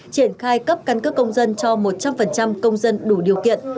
triển khai cấp căn cước công dân cho một trăm linh công dân đủ điều kiện